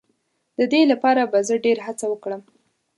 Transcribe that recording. د دې لپاره به زه ډېر هڅه وکړم.